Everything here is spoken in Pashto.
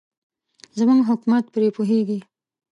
زموږ حکومت پرې پوهېږي.